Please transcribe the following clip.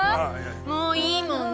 もういいもんね。